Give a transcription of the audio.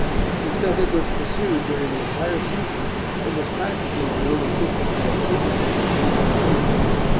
"This method was pursued during the entire season and was practically the only systematic coaching that the team received.